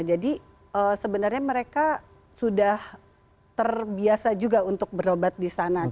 jadi sebenarnya mereka sudah terbiasa juga untuk berobat di sana